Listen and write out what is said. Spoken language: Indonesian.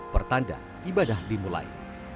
pertanda ibadah dimulai